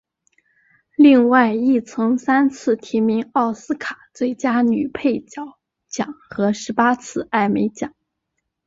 另外亦曾三次提名奥斯卡最佳女配角奖和十八次艾美奖。